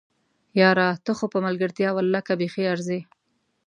یاره! ته خو په ملګرتيا ولله که بیخي ارځې!